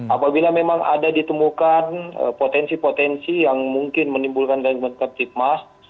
apabila memang ada ditemukan potensi potensi yang mungkin menimbulkan gangguan kreatif mas